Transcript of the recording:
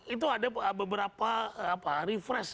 itu ada beberapa refresh